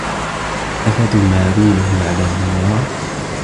أفتمارونه على ما يرى